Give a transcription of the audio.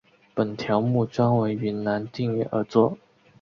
本条目专为云南定远而作。